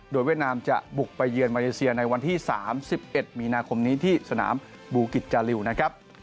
โดยเวียดนามจะบุกไปเยือนมาเลเซียในวันที่๓๑มีนาคมนี้ที่สนามบูกิจจาริวนะครับ